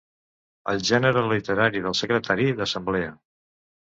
El gènere literari del secretari d'assemblea.